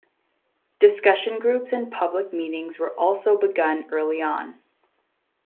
Discussion groups and public meetings were also begun early on.